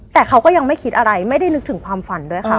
แต่เขาก็ยังไม่คิดอะไรไม่ได้นึกถึงความฝันด้วยค่ะ